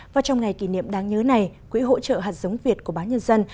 và trong ngày kỷ niệm đáng nhớ này quỹ hỗ trợ hạt giống việt của báo nhân dân